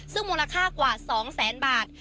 ซึ่งมูลค่ากว่า๒แสนบาท